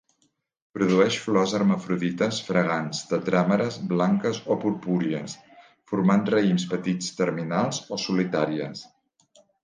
Produeix flors hermafrodites, fragants, tetràmeres, blanques o purpúries, formant raïms petits terminals o solitàries.